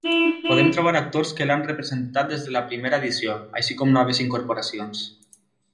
Podem trobar actors que l'han representat des de la primera edició, així com noves incorporacions.